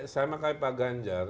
saya makai pak ganjar